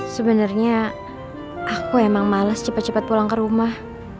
sebenernya aku emang males cepet cepet pulang ke rumah